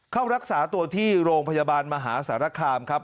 เข้ารักษาตัวที่โรงพยาบาลมหาสารคามครับ